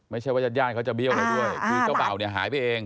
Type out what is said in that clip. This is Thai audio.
ไม่ใช่ว่าจัดยานเขาจะเบี้ยวอะไรด้วยคือกระเป๋าเนี่ยหายไปเอง